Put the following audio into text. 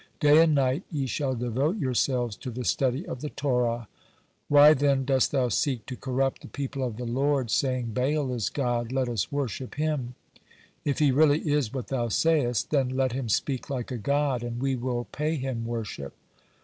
Day and night ye shall devote yourselves to the study of the Torah.' Why, then, dost thou seek to corrupt the people of the Lord, saying, 'Baal is God, let us worship him'? If he really is what thou sayest, then let him speak like a god, and we will pay him worship."